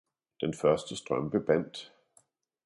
den første strømpe bandt.